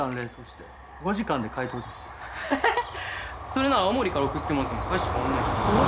それなら青森から送ってもらっても大して変わらないじゃん。